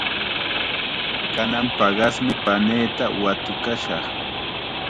Kanan paqasmi paniita watukashaq.